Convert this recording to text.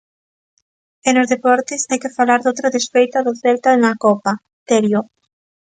E nos deportes, hai que falar doutra desfeita do Celta na copa, Terio.